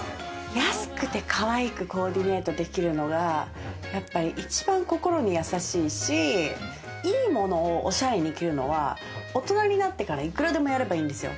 安くて可愛くコーディネートできるのが、一番心に優しいし、いいものを、おしゃれに着るのは大人になってからいくらでもやればいいんですよ。